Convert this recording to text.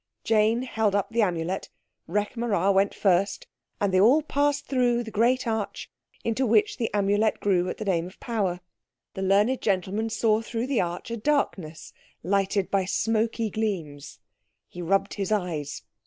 Jane held up the Amulet—Rekh marā went first—and they all passed through the great arch into which the Amulet grew at the Name of Power. The learned gentleman saw through the arch a darkness lighted by smoky gleams. He rubbed his eyes.